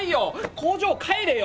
工場帰れよ！